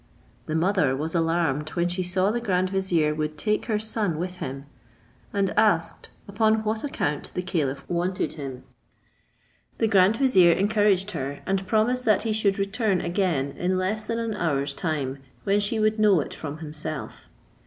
The mother was alarmed when she saw the grand vizier would take her son with him, and asked, upon what account the caliph wanted him? The grand vizier encouraged her, and promised that he should return again in less than an hour's time, when she would know it from himself.